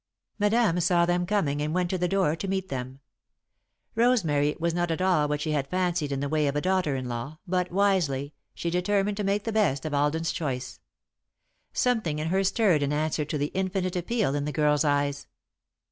Madame saw them coming and went to the door to meet them. Rosemary was not at all what she had fancied in the way of a daughter in law, but, wisely, she determined to make the best of Alden's choice. Something in her stirred in answer to the infinite appeal in the girl's eyes.